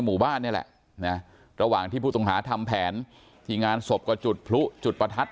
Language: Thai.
หมู่บ้านนี่แหละนะระหว่างที่ผู้ต้องหาทำแผนที่งานศพก็จุดพลุจุดประทัด